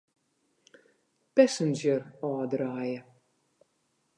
Passenger ôfdraaie.